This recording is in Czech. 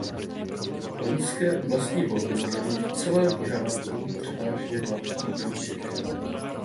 Loňské oblastní volby měly v celém Iráku převážně hladký průběh.